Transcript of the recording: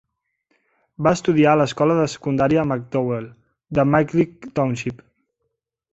Va estudiar a l'escola de secundària McDowell de Millcreek Township.